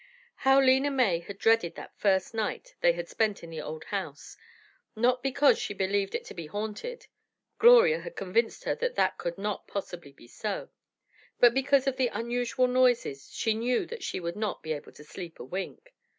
How Lena May had dreaded that first night they had spent in the old house, not because she believed it to be haunted. Gloria had convinced her that that could not possibly be so, but because of the unusual noises, she knew that she would not be able to sleep a wink.